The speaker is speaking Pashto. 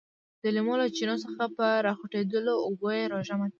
د لیمو له چینو څخه په راخوټېدلو اوبو یې روژه ماته کړه.